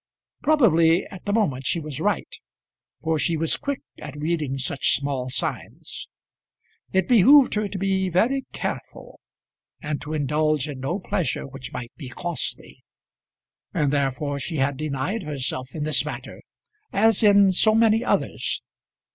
Probably at the moment she was right, for she was quick at reading such small signs. It behoved her to be very careful, and to indulge in no pleasure which might be costly; and therefore she had denied herself in this matter, as in so many others.